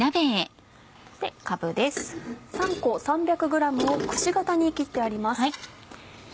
３個３００ｇをくし形に切ってあります。